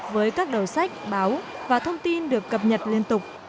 với các đầu sách báo và thông tin được cập nhật liên tục